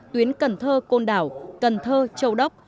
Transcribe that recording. tuyến cần thơ côn đảo cần thơ châu đốc